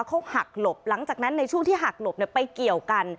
เขาหักหลบหลังจากนั้นในช่วงที่หักหลบไปเกี่ยวกัน